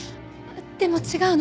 でも違うの。